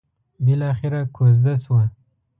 بلاخره کوزه شوه.